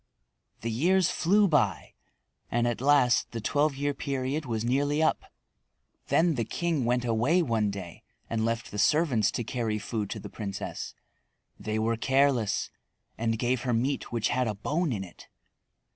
The years flew by, and at last the twelve year period was nearly up. Then the king went away one day and left the servants to carry food to the princess. They were careless, and gave her meat which had a bone in it.